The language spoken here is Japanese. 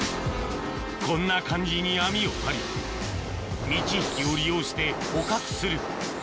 こんな感じに網を張り満ち引きを利用して捕獲する